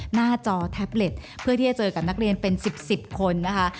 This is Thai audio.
หน้าจอแท็บเล็ตเพื่อที่จะเจอกับนักเรียนเป็น๑๐๑๐คนนะคะ